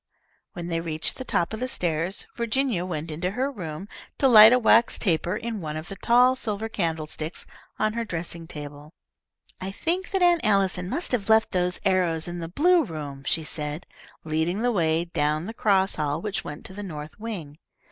When they reached the top of the stairs, Virginia went into her room to light a wax taper in one of the tall silver candlesticks on her dressing table. "I think that Aunt Allison must have left those arrows in the blue room," she said, leading the way down the cross hall which went to the north wing.